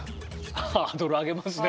ハードル上げますね